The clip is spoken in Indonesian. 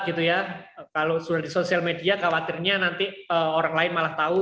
kalau sudah di sosial media khawatirnya nanti orang lain malah tahu